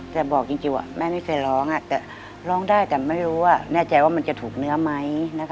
แต่บอกจริงแม่ไม่เคยร้องร้องแน่ใจว่าจะถูกน้อยไหม